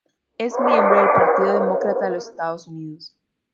Es miembro del Partido Demócrata de los Estados Unidos.